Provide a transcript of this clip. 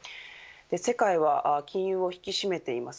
世界は金融を引き締めています。